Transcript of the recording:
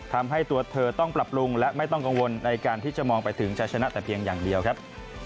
ทำให้ตัวเธอต้องปรับปรุงและไม่ต้องกังวลในการที่จะมองไปถึงจะชนะแต่เพียงอย่างเดียวครับ